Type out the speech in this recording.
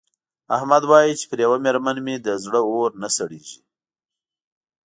احمد وايې چې پر یوه مېرمن مې د زړه اور نه سړېږي.